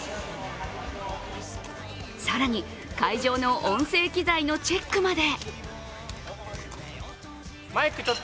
更に、会場の音声機材のチェックまで。